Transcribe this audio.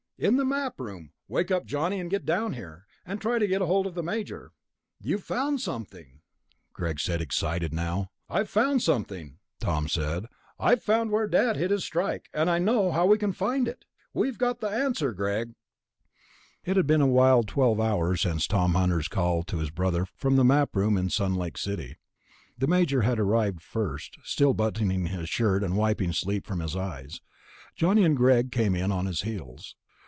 "In the Map Room. Wake Johnny up and get down here. And try to get hold of the Major." "You've found something," Greg said, excited now. "I've found something," Tom said. "I've found where Dad hid his strike ... and I know how we can find it! We've got the answer, Greg." 14. The Missing Asteroid It had been a wild twelve hours since Tom Hunter's call to his brother from the Map Room in Sun Lake City. The Major had arrived first, still buttoning his shirt and wiping sleep from his eyes. Johnny and Greg came in on his heels.